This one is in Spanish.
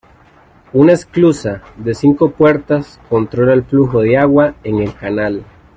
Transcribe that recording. Una esclusa de cinco puertas controla el flujo de agua en el canal.